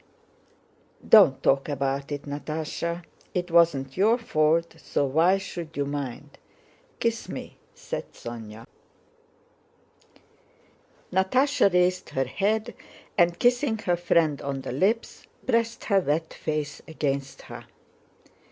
"Don't talk about it, Natásha. It wasn't your fault so why should you mind? Kiss me," said Sónya. Natásha raised her head and, kissing her friend on the lips, pressed her wet face against her.